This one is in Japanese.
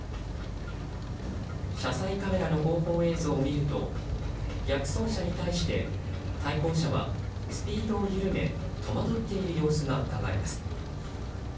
車載カメラの後方映像を見ると逆走車に対して対向車はスピードを緩め戸惑っている様子がうかがえます。